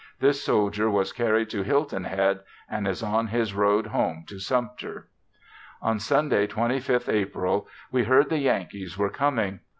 This soldier was carried to Hilton Head, and is on his road home to Sumter. On Sunday 25th April we heard the Yankees were coming.